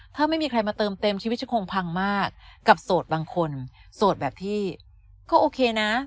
ถ้าไม่มีใครมาเติมเต็มชีวิตฉันคงพังมากกับโสดบางคนโสดแบบที่ก็โอเคนะ